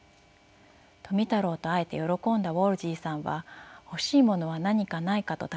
富太郎と会えて喜んだウォールヂーさんは「欲しいものは何かないか？」と尋ねました。